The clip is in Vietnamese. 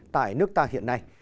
tại nước ta hiện nay